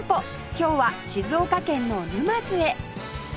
今日は静岡県の沼津へ